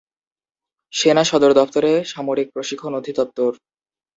সেনা সদর দফতরে সামরিক প্রশিক্ষণ অধিদপ্তর।